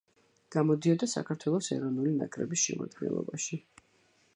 გამოდიოდა საქართველოს ეროვნული ნაკრების შემადგენლობაში.